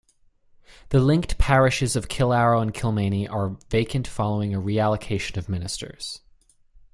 The linked parishes of Kilarrow and Kilmeny are vacant following a reallocation of Ministers.